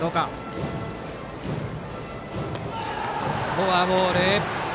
フォアボール。